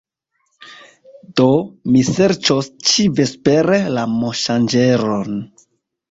Do mi serĉos ĉi-vespere la monŝanĝeron